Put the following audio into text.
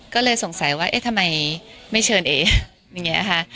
ก็เลยสงสัยว่าเอ๊ะทำไมไม่เชิญเอ๊ะ